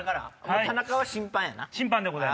田中は審判やな。